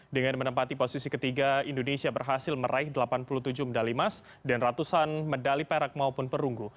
dengan menempati posisi ketiga indonesia berhasil meraih delapan puluh tujuh medali emas dan ratusan medali perak maupun perunggu